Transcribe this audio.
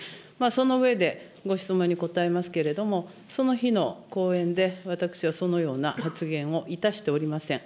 その上で、ご質問に答えますけれども、その日の講演で、私はそのような発言をいたしておりません。